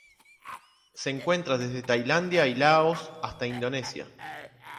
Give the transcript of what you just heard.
Se encuentra desde Tailandia y Laos hasta Indonesia.